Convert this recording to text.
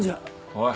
おい。